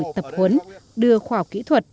tập huấn đưa khỏe kỹ thuật